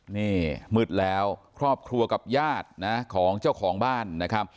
นี่มืดแล้วครอบครัวกับญาตินะของเจ้าของบ้านนะครับ